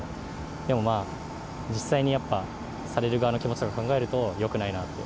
でもまあ、実際にやっぱ、される側の気持ちとか考えると、よくないなと。